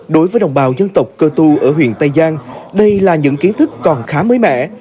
đối với đồng bào dân tộc cơ tu ở huyện tây giang đây là những kiến thức còn khá mới mẻ